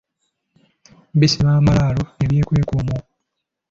Bisima amalaalo ne byekweka omwo.